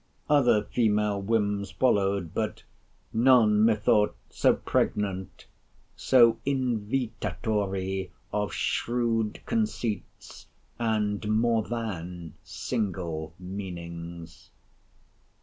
Other female whims followed, but none, methought, so pregnant, so invitatory of shrewd conceits, and more than single meanings.